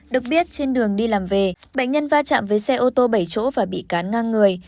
được biết trên đường đi làm về bệnh nhân va chạm với xe ô tô bảy chỗ và bị cán ngang người